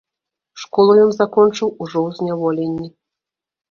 Школу ён закончыў ужо ў зняволенні.